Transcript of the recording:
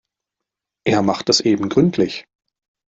Er macht es eben gründlich.